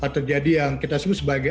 terjadi yang kita sebut sebagai